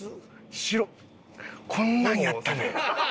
白こんなんやったで。